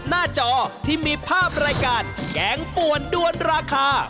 หน้าจอที่มีภาพรายการแกงป่วนด้วนราคา